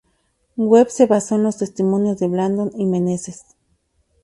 Webb se basó en los testimonios de Blandón y Meneses.